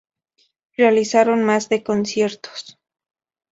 Realizaron más de conciertos.